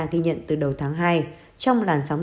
ghi nhận từ đầu tháng hai trong làn sóng